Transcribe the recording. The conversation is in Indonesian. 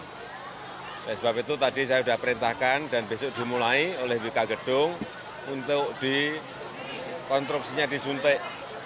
oleh sebab itu tadi saya sudah perintahkan dan besok dimulai oleh wk gedung untuk dikonstruksinya disuntik